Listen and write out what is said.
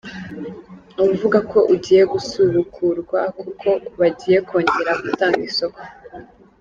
Avuga ko ugiye gusubukurwa kuko bagiye kongera gutanga isoko.